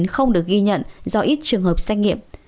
không được ghi nhận do ít trường hợp xét nghiệm